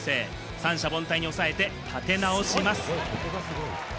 三者凡退に抑えて、立て直します。